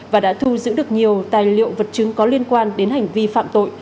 và đã thu giữ được nhiều tài liệu vật chứng có liên quan đến hành vi phạm tội